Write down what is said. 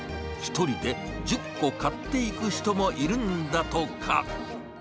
１人で１０個買っていく人もいるんだとか。